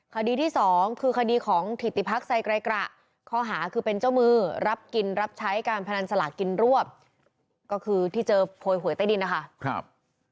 คดีที่สองคือคดีของถิติพักใส่ไกรกระข้อหาคือเป็นเจ้ามือรับกินรับใช้การพนันสลากกินรวบก็คือที่เจอโพยหวยใต้ดินนะคะ